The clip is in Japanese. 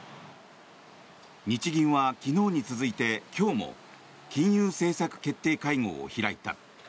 日銀は昨日に続いて今日も金融政策決定会合を開いた。